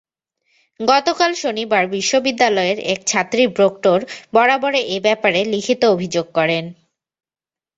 গতকাল শনিবার বিশ্ববিদ্যালয়ের এক ছাত্রী প্রক্টর বরাবরে এ ব্যাপারে লিখিত অভিযোগ করেন।